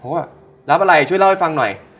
เพราะว่ารับอะไรช่วยเล่าให้ฟังหน่อย